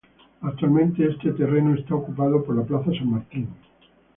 Actualmente ese terreno está ocupado por la Plaza San Martín.